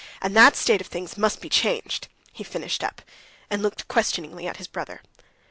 And that state of things must be changed," he finished up, and he looked questioningly at his brother.